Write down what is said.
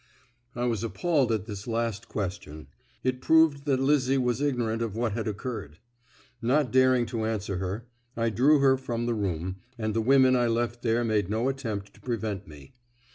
I was appalled at this last question. It proved that Lizzie was ignorant of what had occurred. Not daring to answer her, I drew her from the room, and the women I left there made no attempt to prevent me.